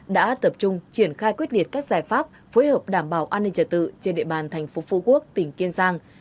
đã tập trung triển khai quyết liệt các giải pháp phối hợp đảm bảo an ninh trả tự trên địa bàn thành phố phú quốc tỉnh kiên giang